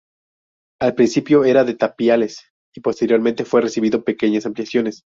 Al principio era de tapiales, y posteriormente fue recibiendo pequeñas ampliaciones.